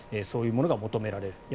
そういうものが求められる。